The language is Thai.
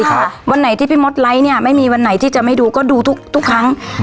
ค่ะวันไหนที่พี่มดไลค์เนี้ยไม่มีวันไหนที่จะไม่ดูก็ดูทุกทุกครั้งอืม